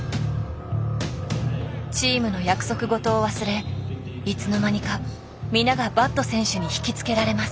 チームの約束ごとを忘れいつの間にか皆がバット選手に引きつけられます。